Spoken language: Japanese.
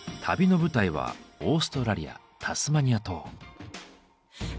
旅の舞台はオーストラリアタスマニア島。